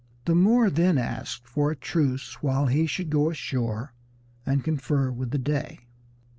The Moor then asked for a truce while he should go ashore and confer with the Dey.